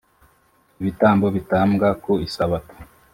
ibitambo bitambwa ku isabato